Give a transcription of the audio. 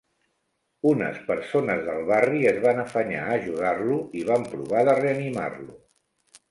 Unes persones del barri es van afanyar a ajudar-lo i van provar de reanimar-lo.